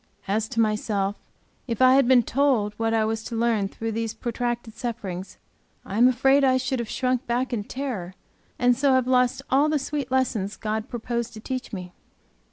As to myself, if I had been told what I was to learn through these protracted sufferings I am afraid I should have shrunk back in terror and so have lost all the sweet lessons God proposed to teach me.